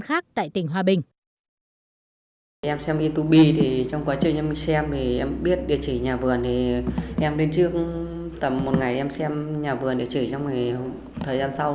khác tại tỉnh hoa bình